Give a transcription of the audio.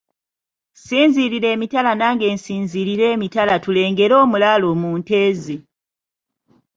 Sinziirira emitala nange nsinziirire emitala tulengere omulaalo mu nte ze.